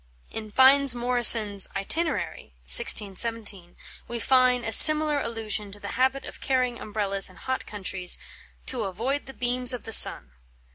In Fynes Moryson's "Itinerary" (1617) we find a similar allusion to the habit of carrying Umbrellas in hot countries "to auoide the beames of the sunne."